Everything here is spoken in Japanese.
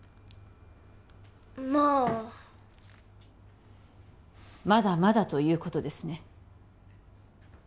まあまだまだということですね